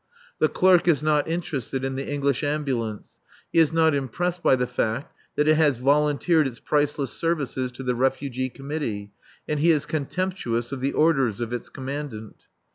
The clerk is not interested in the English Ambulance, he is not impressed by the fact that it has volunteered its priceless services to the Refugee Committee, and he is contemptuous of the orders of its Commandant.